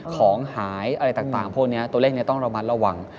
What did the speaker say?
ของหายอะไรต่างพวกนี้ตัวเลขนี้ต้องระมัดระวัง